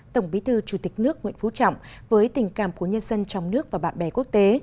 tổng bí thư chủ tịch nước nguyễn phú trọng với tình cảm của nhân dân trong nước và bạn bè quốc tế